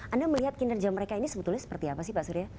anda melihat kinerja mereka ini sebetulnya seperti apa sih pak surya